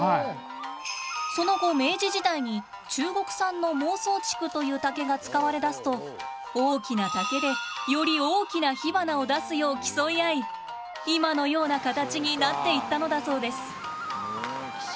その後、明治時代に中国産の孟宗竹という竹が使われだすと大きな竹で、より大きな火花を出すよう競いあい、今のような形になっていったのだそうです。